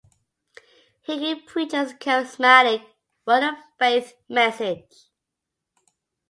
Hickey preaches a Charismatic Word of Faith message.